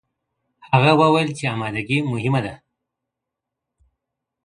هغه وويل چي امادګي مهم دی؟